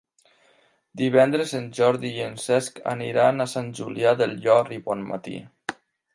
Divendres en Jordi i en Cesc aniran a Sant Julià del Llor i Bonmatí.